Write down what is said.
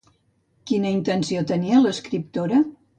Quina intenció tenia l'escriptora?